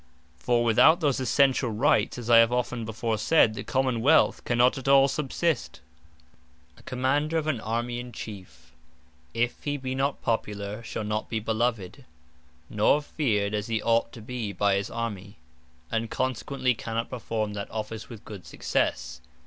For without those Essentiall Rights, (as I have often before said,) the Common wealth cannot at all subsist. Commanders A Commander of an Army in chiefe, if he be not Popular, shall not be beloved, nor feared as he ought to be by his Army; and consequently cannot performe that office with good successe.